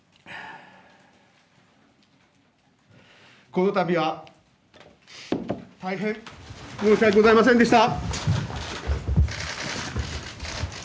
このたびは、大変申し訳ございませんでした。